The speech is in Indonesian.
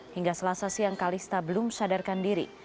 hingga selasa siang kalista belum sadarkan diri